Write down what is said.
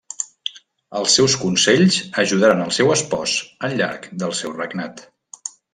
Els seus consells ajudaren al seu espòs al llarg del seu regnat.